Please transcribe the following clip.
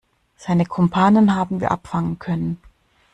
Seine Kumpanen haben wir abfangen können.